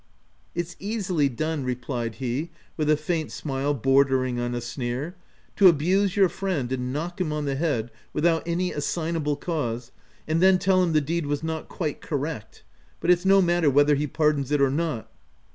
" It's easily done/' replied he, with a faint smile bordering on a sneer : t€ to abuse your friend and knock him on the head, without any assignable cause, and then tell him the deed was not quite correct, but it's no matter whether he pardons it or not."